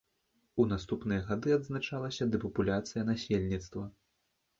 У наступныя гады адзначалася дэпапуляцыя насельніцтва.